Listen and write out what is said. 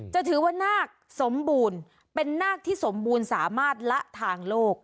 จะถือว่านาคสมบูรณ์เป็นนาคที่สมบูรณ์สามารถละทางโลก